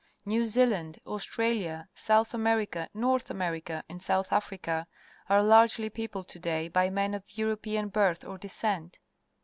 New Zealand, Australia, South Amer ica, North America, and South Africa are largely peopled to day by men of Euro pean birth or descent.